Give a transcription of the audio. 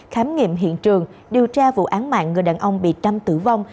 khám nghiệm hiện trường điều tra vụ án mạng người đàn ông bị trâm tử vong